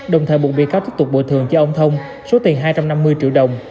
đồng thời buộc bị cáo tiếp tục bồi thường cho ông thông số tiền hai trăm năm mươi triệu đồng